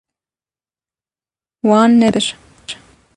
Wan nebir.